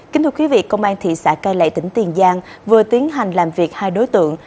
kính thưa quý vị công an thị xã cây lệ tỉnh tiền giang vừa tiến hành làm việc hai đối tượng